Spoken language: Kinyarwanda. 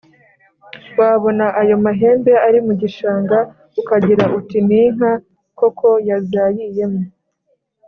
wabona ayo mahembe ari mu gishanga ukagira uti ni inka koko yazayiyemo.